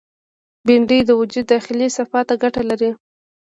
بېنډۍ د وجود داخلي صفا ته ګټه لري